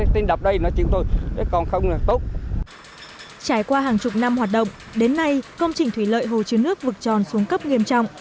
trải qua hàng chục năm hoạt động đến nay công trình thủy lợi hồ chứa nước vực tròn xuống cấp nghiêm trọng